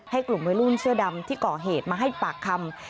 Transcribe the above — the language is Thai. กลุ่มวัยรุ่นเสื้อดำที่ก่อเหตุมาให้ปากคำ